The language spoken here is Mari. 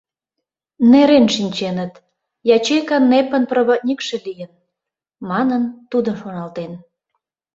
«Нерен шинченыт, ячейка нэпын проводникше лийын», — манын, тудо шоналтен.